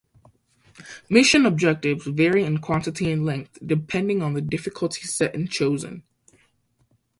Mission objectives vary in quantity and length depending on the difficulty setting chosen.